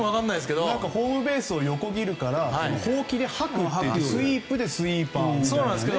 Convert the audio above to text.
ホームベースを横切るからほうきではく、スイープでスイーパーらしいですが。